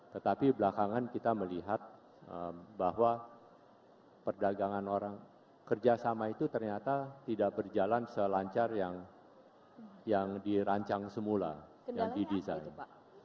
tetapi belakangan kita melihat bahwa perdagangan orang kerjasama itu ternyata tidak berjalan selancar yang dirancang semula yang didesain